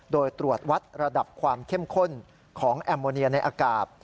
โดยตรวจวัดระดับความเข้มข้นของแอมโมเนียในอากาศ